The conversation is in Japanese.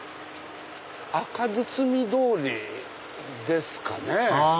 赤堤通りですかね。